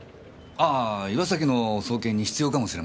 あぁ岩崎の送検に必要かもしれませんもんね。